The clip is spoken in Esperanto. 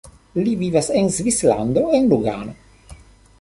Li vivas en Svislando en Lugano.